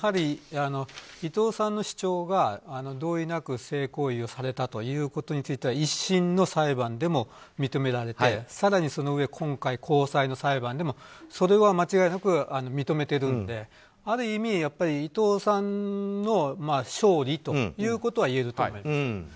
伊藤さんの主張が同意なく性行為をされたということについては１審の裁判でも認められて更に、そのうえ今回高裁の裁判でもそれは間違いなく認めてるのである意味、伊藤さんの勝利ということは言えると思います。